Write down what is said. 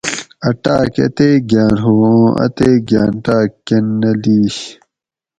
ا ٹاۤک اتیک گھاۤن ہُو اُوں اتیک گھاۤن ٹاک کۤن نہ لِیش